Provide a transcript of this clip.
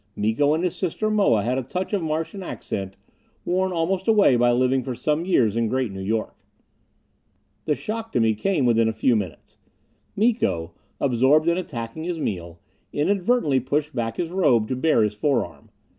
Miko and his sister Moa had a touch of Martian accent, worn almost away by living for some years in Great New York. The shock to me came within a few minutes. Miko, absorbed in attacking his meal, inadvertently pushed back his robe to bare his forearm.